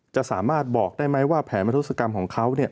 จะสามารถบอกได้ไหมว่าแผนมัตถุศกรรมของเขาเนี่ย